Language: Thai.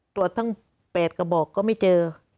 ตรวจทั้ง๘กระบอกก็ไม่เจอ